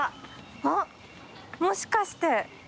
あっもしかして。